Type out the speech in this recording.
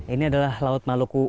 ini adalah laut maluku